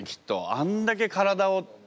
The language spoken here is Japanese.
あんだけ体をって。